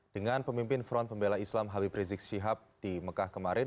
dengan pemimpin front pembela islam habib rizik syihab di mekah kemarin